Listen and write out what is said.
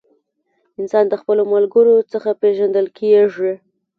انسان د خپلو ملګرو څخه پیژندل کیږي.